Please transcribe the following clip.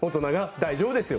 大丈夫ですよ。